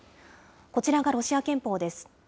こちらがロシア憲法です。